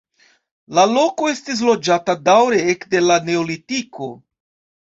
La loko estis loĝata daŭre ekde la neolitiko.